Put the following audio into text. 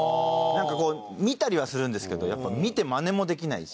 なんかこう見たりはするんですけどやっぱ見てマネもできないし。